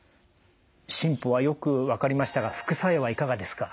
進歩はよく分かりましたが副作用はいかがですか？